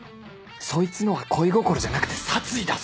そいつのは恋心じゃなくて殺意だぞ